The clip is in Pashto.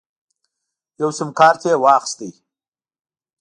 یو سیم کارت یې واخیست.